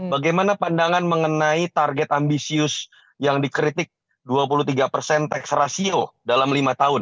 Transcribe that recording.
bagaimana pandangan mengenai target ambisius yang dikritik dua puluh tiga persen tax ratio dalam lima tahun